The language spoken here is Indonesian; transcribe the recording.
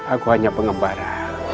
aku hanya pengembara